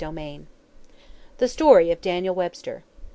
] THE STORY OF DANIEL WEBSTER.